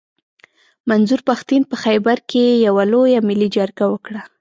منظور پښتين په خېبر کښي يوه لويه ملي جرګه وکړه.